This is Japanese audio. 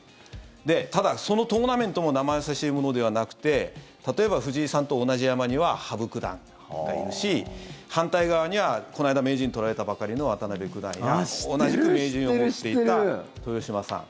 ただ、そのトーナメントも生易しいものではなくて例えば藤井さんと同じ山には羽生九段がいるし反対側には、この間名人取られたばかりの渡辺九段や同じく名人を持っていた豊島さん。